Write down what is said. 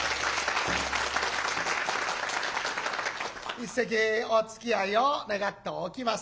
一席おつきあいを願っておきます。